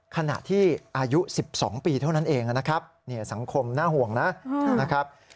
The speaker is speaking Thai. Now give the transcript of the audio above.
ขณะที่อายุ๑๒ปีเท่านั้นเองนะครับสังคมน่าห่วงนะครับ